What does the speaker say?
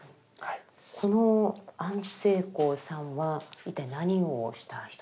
この安世高さんは一体何をした人なんですか？